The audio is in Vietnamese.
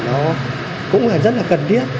nó cũng rất là cần thiết